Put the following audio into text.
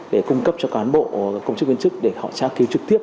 để cung cấp cho cán bộ công chức nguyên chức để họ trả cứu trực tiếp